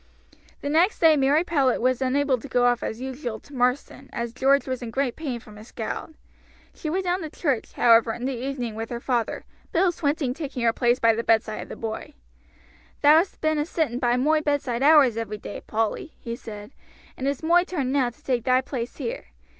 The next day Mary Powlett was unable to go off as usual to Marsden as George was in great pain from his scald. She went down to church, however, in the evening with her father, Bill Swinton taking her place by the bedside of the boy. "Thou hast been a sitting by moi bedside hours every day, Polly," he said, "and it's moi turn now to take thy place here.